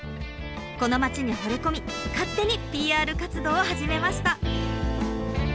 この町にほれ込み勝手にＰＲ活動を始めました。